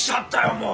もう！